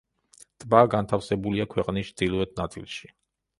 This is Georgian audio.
ტბა განთავსებულია ქვეყნის ჩრდილოეთ ნაწილში.